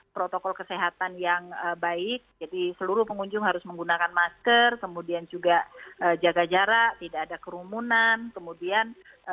protokol kesehatan yang baik jadi seluruh pengunjung harus menggunakan masker kemudian juga jaga jarak tidak ada kerumunan kemudian